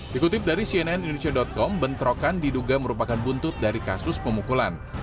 dikutip dari cnn indonesia com bentrokan diduga merupakan buntut dari kasus pemukulan